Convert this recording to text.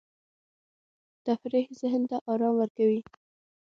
تفریح ذهن ته آرام ورکوي.